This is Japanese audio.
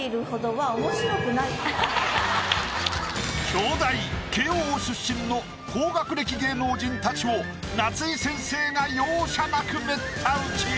京大慶應出身の高学歴芸能人たちを夏井先生が容赦なくメッタ打ち！